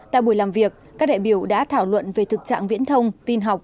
tại buổi làm việc các đại biểu đã thảo luận về thực trạng viễn thông tin học